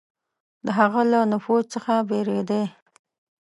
د هغه له نفوذ څخه بېرېدی.